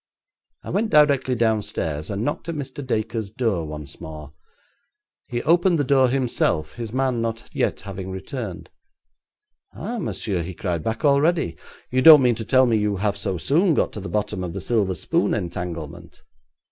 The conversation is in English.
I went directly downstairs, and knocked at Mr. Dacre's door once more. He opened the door himself, his man not yet having returned. 'Ah, monsieur,' he cried, 'back already? You don't mean to tell me you have so soon got to the bottom of the silver spoon entanglement?'